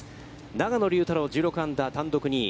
永野竜太郎、１６アンダー、単独２位。